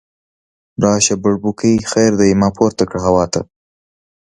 راشه بړبوکۍ خیر دی، ما پورته کړه هوا ته